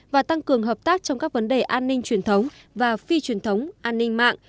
và tăng cường hợp tác trong các vấn đề an ninh truyền thống và phi truyền thống an ninh mạng